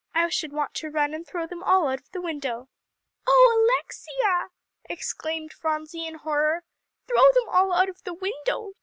I should want to run and throw them all out of the window." "Oh Alexia!" exclaimed Phronsie in horror, "throw them all out of the window!